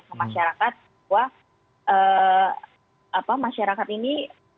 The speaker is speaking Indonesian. ke masyarakat bahwa masyarakat ini